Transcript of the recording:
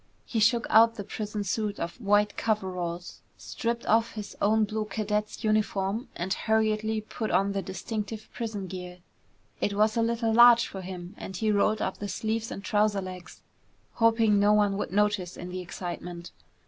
He shook out the prison suit of white coveralls, stripped off his own blue cadet's uniform, and hurriedly put on the distinctive prison gear. It was a little large for him and he rolled up the sleeves and trouser legs, hoping no one would notice in the excitement.